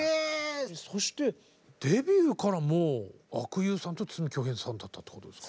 そしてデビューからもう阿久悠さんと筒美京平さんだったってことですか。